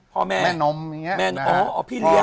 พ่อแม่แม่นมอย่างเงี้ยพี่เลี้ยง